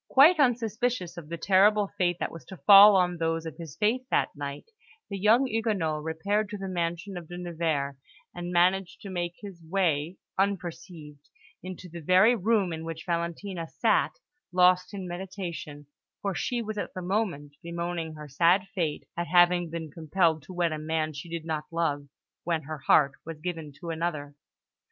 Quite unsuspicious of the terrible fate that was to fall on those of his faith that night, the young Huguenot repaired to the mansion of De Nevers, and managed to make his way unperceived into the very room in which Valentina sat, lost in meditation; for she was at the moment bemoaning her sad fate at having been compelled to wed a man she did not love, when her heart was given to another.